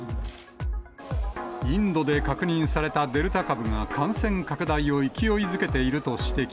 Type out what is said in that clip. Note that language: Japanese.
インドで確認されたデルタ株が感染拡大を勢いづけていると指摘。